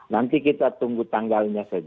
nanti kita tunggu tanggalnya saja